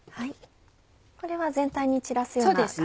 これは全体に散らすような感じですか？